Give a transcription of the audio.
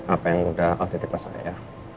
apa yang udah aku titip pas saya